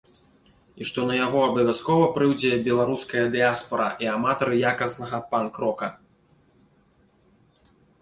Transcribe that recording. І што на яго абавязкова прыйдзе беларуская дыяспара і аматары якаснага панк-рока.